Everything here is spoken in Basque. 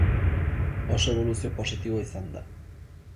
Oso eboluzio positiboa izan da.